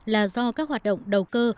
là do các hoạt động đầu cơ